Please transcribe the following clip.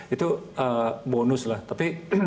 itu bonus lah tapi